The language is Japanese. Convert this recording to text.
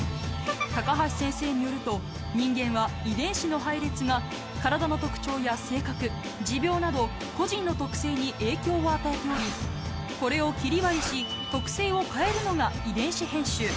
高橋先生によると人間は遺伝子の配列が体の特徴や性格持病など個人の特性に影響を与えておりこれを切り貼りし特性を変えるのが遺伝子編集